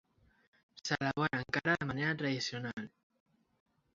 S'elabora encara de manera tradicional.